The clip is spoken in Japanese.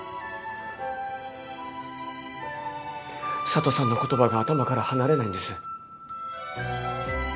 佐都さんの言葉が頭から離れないんです。